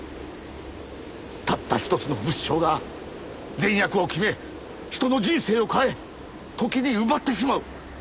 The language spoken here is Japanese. たったひとつの物証が善悪を決め人の人生を変え時に奪ってしまう。